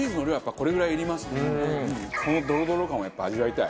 このドロドロ感をやっぱり味わいたい。